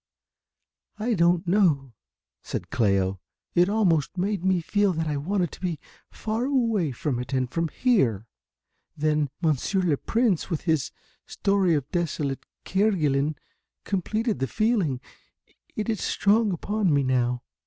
"I don't know," said Cléo, "It also made me feel that I wanted to be far away from it and from here. Then, Monsieur le Prince, with his story of desolate Kerguelen, completed the feeling. It is strong upon me now."